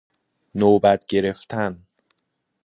نوبت گرفتن